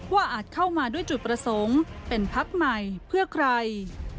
อาจเข้ามาด้วยจุดประสงค์เป็นพักใหม่เพื่อใคร